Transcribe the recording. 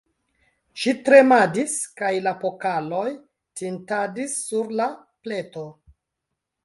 Ŝi tremadis, kaj la pokaloj tintadis sur la pleto.